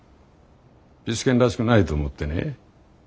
ピス健らしくないと思ってね。